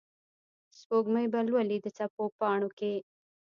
سپوږمۍ به لولي د څپو پاڼو کې